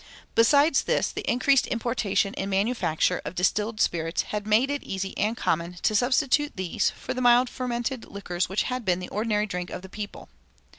Besides this, the increased importation and manufacture of distilled spirits had made it easy and common to substitute these for the mild fermented liquors which had been the ordinary drink of the people.